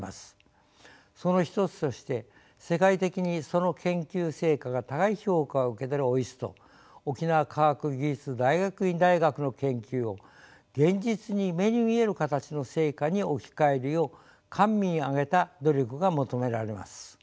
その一つとして世界的にその研究成果が高い評価を受けているＯＩＳＴ沖縄科学技術大学院大学の研究を現実に目に見える形の成果に置き換えるよう官民挙げた努力が求められます。